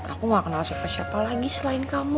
aku gak kenal siapa siapa lagi selain kamu